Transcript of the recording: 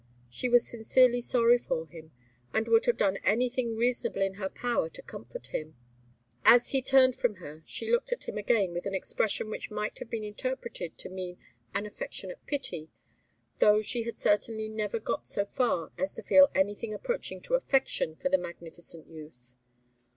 She was sincerely sorry for him, and would have done anything reasonable in her power to comfort him. As he turned from her she looked at him again with an expression which might have been interpreted to mean an affectionate pity, though she had certainly never got so far as to feel anything approaching to affection for the magnificent youth.